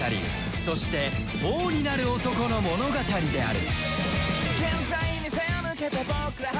そして王になる男の物語である